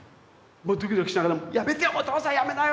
もうドキドキしながら「やめてよお父さんやめなよ！」って。